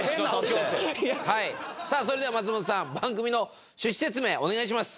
さあそれでは松本さん番組の趣旨説明お願いします。